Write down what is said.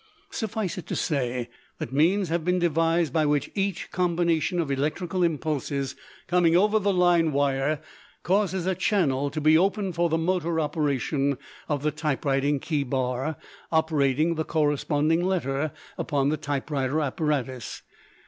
Suffice it to say that means have been devised by which each combination of electrical impulses coming over the line wire causes a channel to be opened for the motor operation of the typewriting key bar operating the corresponding letter upon the typewriter apparatus.